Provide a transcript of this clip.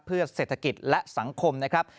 เพื่อเศรษฐกิจและสังคมนะครับ